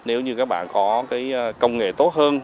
nếu như các bạn có công nghệ tốt hơn